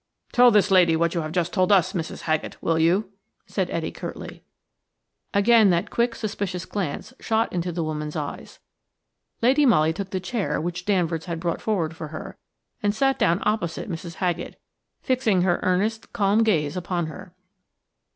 "Tell this lady what you have just told us, Mrs. Haggett, will you?" said Etty, curtly. Again that quick, suspicious glance shot into the woman's eyes. Lady Molly took the chair which Danvers had brought forward for her, and sat down opposite Mrs. Haggett, fixing her earnest, calm gaze upon her.